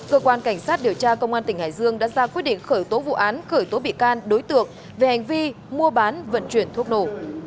cơ quan cảnh sát điều tra công an tỉnh hải dương đã ra quyết định khởi tố vụ án khởi tố bị can đối tượng về hành vi mua bán vận chuyển thuốc nổ